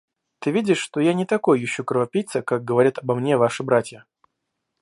Ты видишь, что я не такой еще кровопийца, как говорит обо мне ваша братья.